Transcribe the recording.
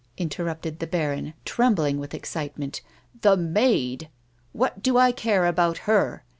interrupted the baron, trembling with ex citement. "The maid! What do I care about her'?